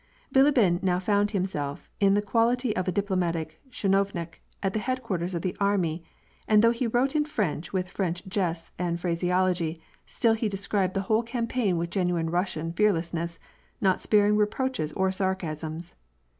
BiLTBiN now found himself in the quality of a diplomatic chinovnik at the headquarters of the army and though he wrote in French with French jests and phraseology, stUl he described the whole campaign with genuine Russian fearless ness, not sparing reproaches or sarcasms.